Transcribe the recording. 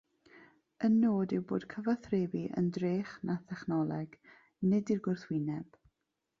Y nod yw bod cyfathrebu yn drech na thechnoleg, nid i'r gwrthwyneb.